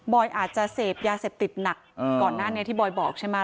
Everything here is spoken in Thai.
อาจจะเสพยาเสพติดหนักก่อนหน้านี้ที่บอยบอกใช่ไหม